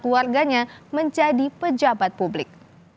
keluarganya menjadi pejabat publik